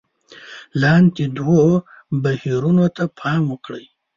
لاندې دوو بهیرونو ته پام وکړئ: